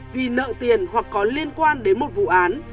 vì nợ tiền hoặc có liên quan đến một vụ án